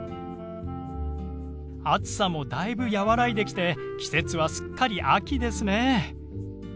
暑さもだいぶ和らいできて季節はすっかり秋ですね。